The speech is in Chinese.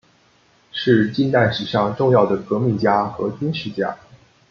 是近代史上重要的革命家和军事家。